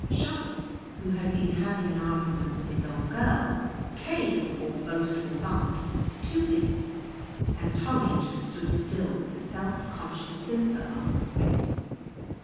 Shovel, who had been having an argument with his old girl, came, all boastful bumps, to him, and Tommy just stood still with a self conscious simper on his face.